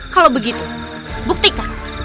kalau begitu buktikan